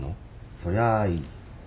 そりゃあいい。